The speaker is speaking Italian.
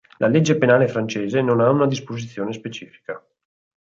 La legge penale francese non ha una disposizione specifica.